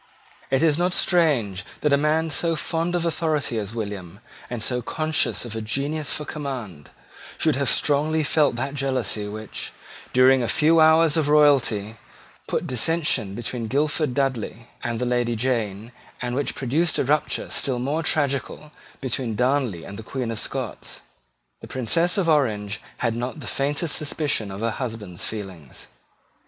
It is not strange that a man so fond of authority as William, and so conscious of a genius for command, should have strongly felt that jealousy which, during a few hours of royalty, put dissension between Guildford Dudley and the Lady Jane, and which produced a rupture still more tragical between Darnley and the Queen of Scots. The Princess of Orange had not the faintest suspicion of her husband's feelings.